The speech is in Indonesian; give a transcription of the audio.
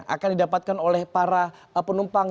akan didapatkan oleh para penumpang